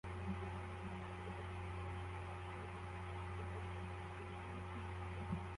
Umuhungu muto akina kumikino yubururu